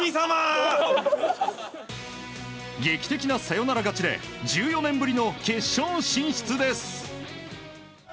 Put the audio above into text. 劇的なサヨナラ勝ちで１４年ぶりの決勝進出です。